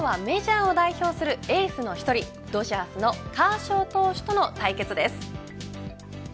今日はメジャーを代表するエースの１人、ドジャースのカーショー投手との対決です。